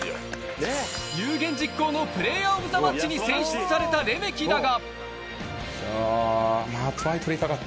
有言実行のプレーヤー・オブ・ザ・マッチに選出されたレメキだが。